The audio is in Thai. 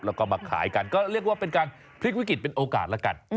แล้วก็มาขายกันก็เรียกว่าเป็นการพลิกวิกฤตเป็นโอกาสแล้วกัน